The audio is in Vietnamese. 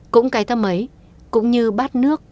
cũng cái tâm ấy cũng như bát nước